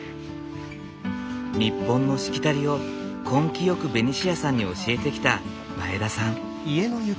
日本のしきたりを根気よくベニシアさんに教えてきた前田さん。